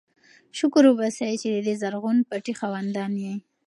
شکر وباسئ چې د دې زرغون پټي خاوندان یئ.